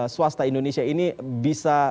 swasta indonesia ini bisa